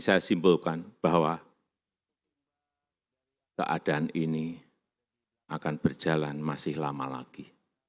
saya simpulkan bahwa keadaan ini akan berjalan masih lama lagi